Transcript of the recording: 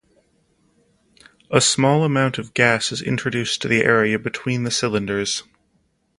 A small amount of gas is introduced to the area between the cylinders.